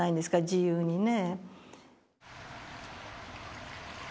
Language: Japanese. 自由にね。